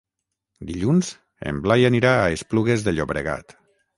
Dilluns en Blai anirà a Esplugues de Llobregat.